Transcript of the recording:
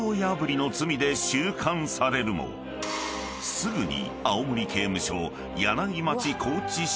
［すぐに］